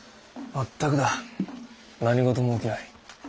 全くだ何事も起きない。